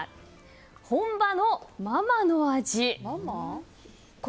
本場のママの味。